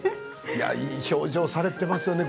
いい表情されていますよね